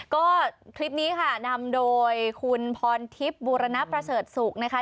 ก็คลิปนี้ค่ะนำโดยคุณพรทิพย์บูรณประเสริฐศุกร์นะคะ